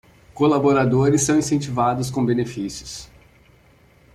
Colaboradores são incentivados com benefícios